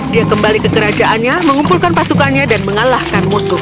dia kembali ke kerajaannya mengumpulkan pasukannya dan mengalahkan musuh